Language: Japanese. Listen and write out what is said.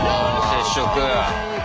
接触。